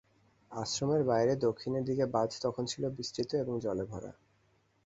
আশ্রমের বাইরে দক্ষিণের দিকে বাঁধ তখন ছিল বিস্তৃত এবং জলে ভরা।